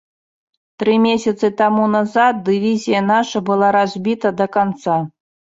Тры месяцы таму назад дывізія наша была разбіта да канца.